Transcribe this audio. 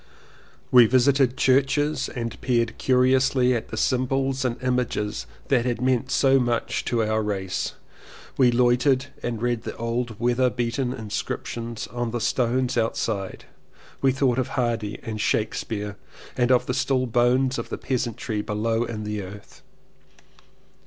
We visited churches and peered curiously at the symbols and images that had meant so much to our race. We loitered and read the old weather beaten inscriptions on the stones outside — we thought of Hardy and Shakespeare and of the still bones of the peasantry below in the earth.